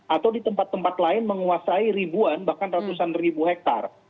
atau di tempat tempat lain menguasai ribuan bahkan ratusan ribu hektare